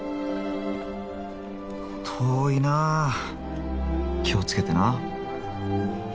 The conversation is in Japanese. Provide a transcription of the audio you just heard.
遠いな気をつけてな。